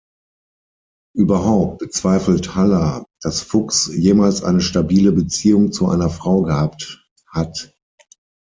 Überhaupt bezweifelt Haller, dass Fuchs jemals eine stabile Beziehung zu einer Frau gehabt hat.